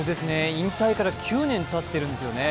引退から９年たっているんですよね。